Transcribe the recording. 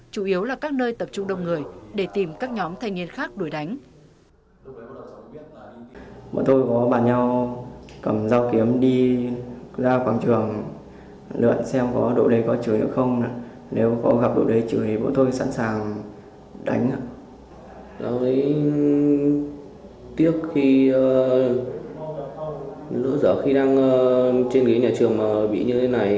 chủ yếu là các nơi tập trung đông người để tìm các nhóm thay nghiên khác đổi đánh